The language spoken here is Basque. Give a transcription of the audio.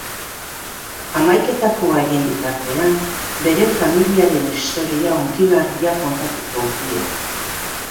Hamaiketakoa egin bitartean, bere familiaren historia hunkigarria kontatuko dio.